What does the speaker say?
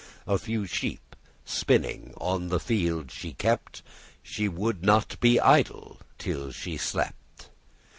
A few sheep, spinning, on the field she kept, She woulde not be idle till she slept.